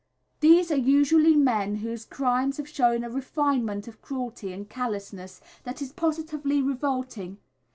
These are usually men whose crimes have shown a refinement of cruelty and callousness that is positively revolting.